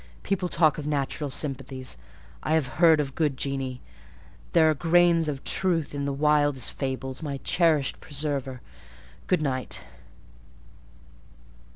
People talk of natural sympathies; I have heard of good genii: there are grains of truth in the wildest fable. My cherished preserver, good night!"